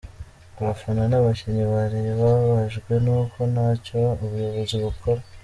Abafana n’abakinnyi ba Rayon bababajwe n’uko nta cyo ubuyobozi bukora.